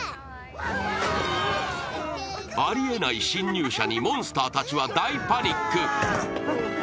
ありえない侵入者にモンスターたちは大パニック。